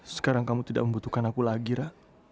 sekarang kamu tidak membutuhkan aku lagi ra